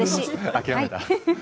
諦めた。